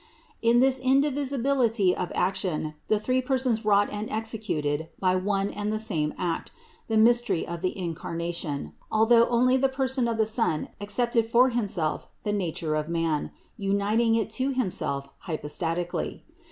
126. In this indivisibility of action the three Persons wrought and executed, by one and the same act, the mys tery of the Incarnation, although only the person of the Son accepted for Himself the nature of man, uniting it to Himself hypostatically.